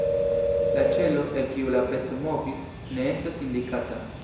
La ĉelo, el kiu la peco movis, ne estas indikata.